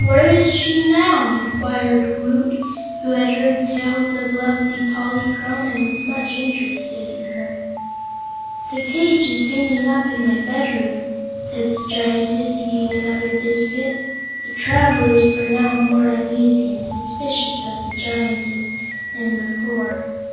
"Where is she now?" inquired Woot, who had heard tales of lovely Polychrome and was much interested in her. "The cage is hanging up in my bedroom," said the Giantess, eating another biscuit. The travelers were now more uneasy and suspicious of the Giantess than before.